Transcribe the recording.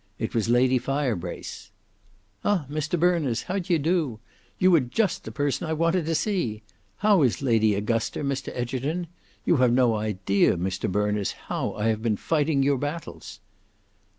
It was Lady Firebrace. "Ah! Mr Berners, how d'ye do? You were just the person I wanted to see! How is Lady Augusta, Mr Egerton? You have no idea, Mr Berners, how I have been fighting your battles!"